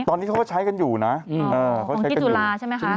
ตอนนี้เขาก็ใช้กันอยู่นะของกิจุลาใช่ไหมคะ